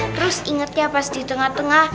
terus ingetnya pas di tengah tengah